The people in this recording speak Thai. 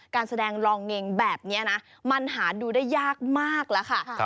การแสดงลองเงงแบบนี้นะมันหาดูได้ยากมากแล้วค่ะ